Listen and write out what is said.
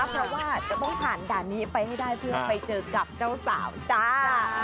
เพราะว่าจะต้องผ่านด่านนี้ไปให้ได้เพื่อไปเจอกับเจ้าสาวจ้า